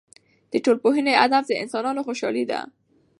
د ټولنپوهنې هدف د انسانانو خوشحالي ده.